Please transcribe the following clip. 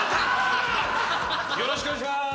よろしくお願いします。